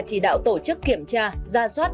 chỉ đạo tổ chức kiểm tra ra soát